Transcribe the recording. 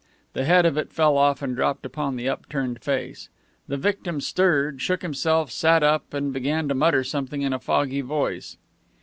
The head of it fell off and dropped upon the up turned face. The victim stirred, shook himself, sat up, and began to mutter something in a foggy voice.